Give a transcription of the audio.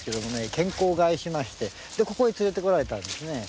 健康を害しましてここに連れてこられたんですね。